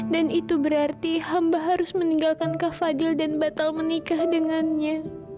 dan itu berarti hamba harus meninggalkan kah fadil dan batal menikah dengannya